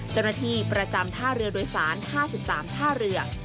เจ้าหน้าที่ประจำท่าเรือโดยสาร๕๓ท่าเรือ